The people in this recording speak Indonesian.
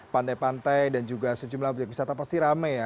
pantai pantai dan juga sejumlah objek wisata pasti rame ya